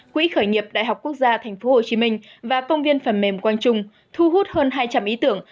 quỹ khởi nghiệp đại học quốc gia tp hcm và công viên phần mềm quang trung thu hút hơn hai trăm linh ý tưởng